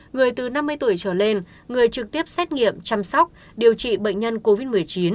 người từ năm mươi tuổi trở lên người trực tiếp xét nghiệm chăm sóc điều trị bệnh nhân covid một mươi chín